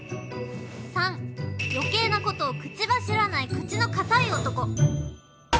３余計なことを口走らない口の堅い男。